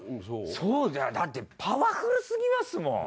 だってパワフルすぎますもん。